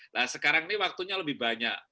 nah sekarang ini waktunya lebih banyak